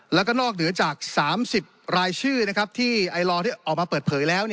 แล้วก็นอกเหนือจาก๓๐รายชื่อที่ไอลอร์ออกมาเปิดเผยแล้ว